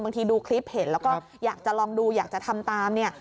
ดูคลิปเห็นแล้วก็อยากจะลองดูอยากจะทำตามเนี่ย